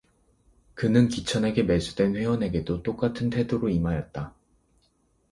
그는 기천에게 매수된 회원에게도 똑같은 태도로 임하였다.